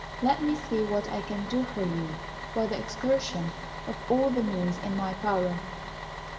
Let me see what I can do for you by the exertion of all the means in my power."